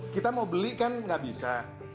kita mau beli kan nggak bisa